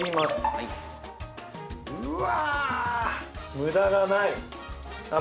無駄がないあっ